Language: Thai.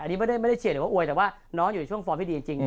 อันนี้ไม่ได้เชื่อว่าอวยแต่ว่าน้องอยู่ช่วงฟอร์มให้ดีจริง